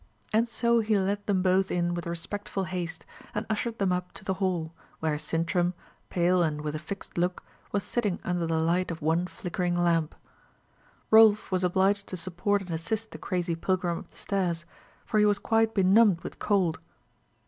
And so he let them both in with respectful haste, and ushered them up to the hall, where Sintram, pale and with a fixed look, was sitting under the light of one flickering lamp. Rolf was obliged to support and assist the crazy pilgrim up the stairs, for he was quite benumbed with cold.